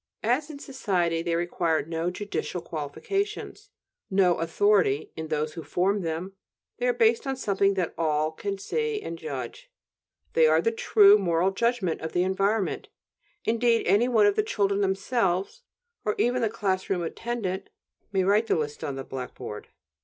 As in society, they require no "judicial qualifications," no "authority" in those who form them; they are based on something that "all" can see and judge; they are the true moral judgment of the environment; indeed, any one of the children themselves, or even the class room attendant, may write the list on the blackboard.